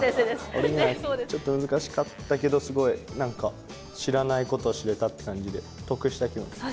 俺にはちょっと難しかったけどすごい何か知らないことを知れたって感じで得した気分です。